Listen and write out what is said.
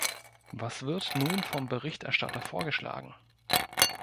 Was wird nun vom Berichterstatter vorgeschlagen?